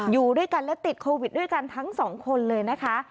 อยู่ด้วยกันและติดโควิดด้วยกันทั้งสองคนเลยนะคะ